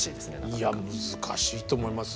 いや難しいと思います。